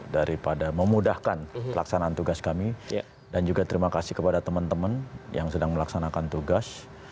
daripada memudahkan pelaksanaan tugas kami dan juga terima kasih kepada teman teman yang sedang melaksanakan tugas